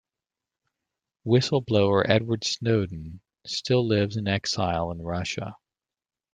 Whistle-blower Edward Snowden still lives in exile in Russia.